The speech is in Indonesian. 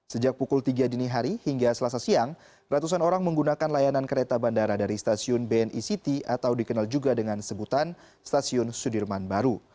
sejak pukul tiga dini hari hingga selasa siang ratusan orang menggunakan layanan kereta bandara dari stasiun bni city atau dikenal juga dengan sebutan stasiun sudirman baru